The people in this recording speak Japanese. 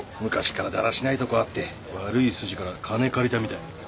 昔からだらしないとこあって悪い筋から金借りたみたい。